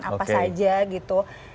oke apa saja gitu